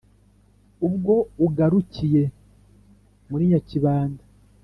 Ubwo ugarukiye mu Nyakibanda,